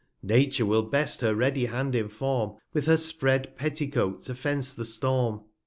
Nature will best her ready Hand inform, With her spread Petticoat to fence the Storm.